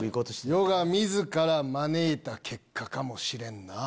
余が自ら招いた結果かもしれんな。